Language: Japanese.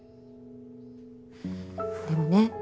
でもね